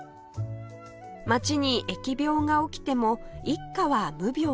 街に疫病が起きても一家は無病息災